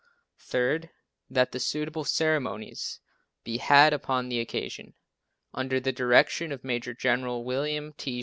Third, That suitable ceremonies be had upon the occasion, under the direction of Major General William T.